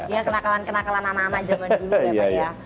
ya kenakalan kenakalan ama ama jaman dulu ya pak ya